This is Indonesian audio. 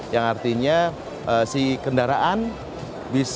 yang artinya si kendaraan bisa berjalan dengan otomatis